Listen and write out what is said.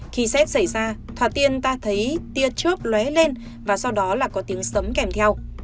khi xét xảy ra thỏa tiên ta thấy tia trước lé lên và sau đó là có tiếng sấm kèm theo